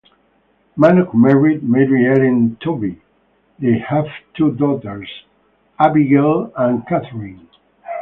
Manock married Mary Ellen Tobey; they have two daughters, Abigail and Katherine.